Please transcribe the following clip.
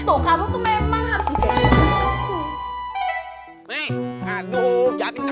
tuh kamu tuh memang harus jagain sama aku